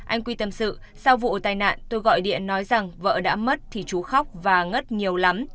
anh quy tâm sự sau vụ tai nạn tôi gọi điện nói rằng vợ đã mất thì chú khóc và ngất nhiều lắm